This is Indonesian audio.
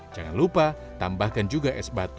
jangan lupa tambahkan juga es batu